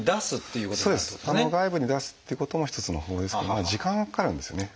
外部に出すっていうことも一つの方法ですが時間がかかるんですよね。